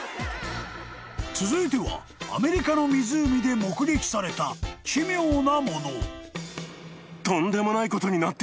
［続いてはアメリカの湖で目撃された奇妙なもの］